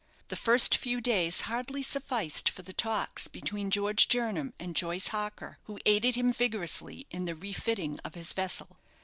The first few days hardly sufficed for the talks between George Jernam and Joyce Harker, who aided him vigorously in the refitting of his vessel.